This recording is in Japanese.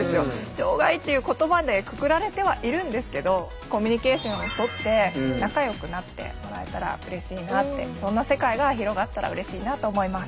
「障害」っていう言葉でくくられてはいるんですけどコミュニケーションをとって仲良くなってもらえたらうれしいなってそんな世界が広がったらうれしいなと思います。